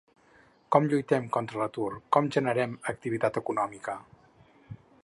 Com lluitem contra l’atur, com generem activitat econòmica.